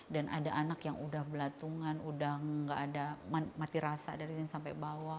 dan ada anak yang sudah belatungan sudah tidak ada mati rasa dari sini sampai bawah